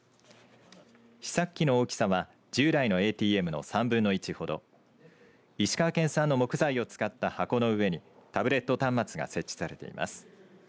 試作機の大きさは従来のＡＴＭの３分の１ほど石川県産の木材を使った箱の上にタブレット端末が設置されています。